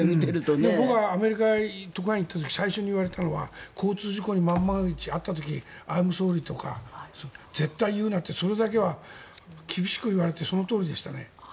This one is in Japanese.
僕はアメリカの特派員に行った時最初に言われたのは交通事故に万万が一あった時にアイムソーリーとか言うなとそれだけは厳しく言われてそのとおりでしたね。